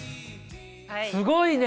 すごいね。